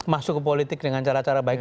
masuk ke politik dengan cara cara baik